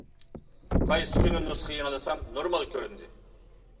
قايسى كۈنى نۇسخا يېڭىلىسام نورمال كۆرۈندى.